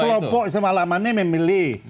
kelompok istimewa ulama ini memilih